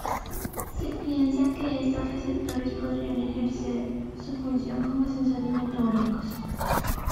Se piensa que estos receptores podrían ejercer su función como sensores metabólicos.